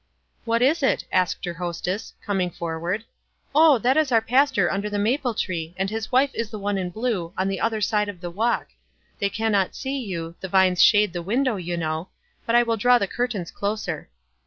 " What is it ?" asked her hostess, coming for ward. " Oh, that is our pastor under the maple tree, and his wife is the one in blue, on the other 60 WISE AND OTHERWISE. side of the walk. They cannot see yon, tho vines shade the window, yon know ; but I will draw the curtains closer."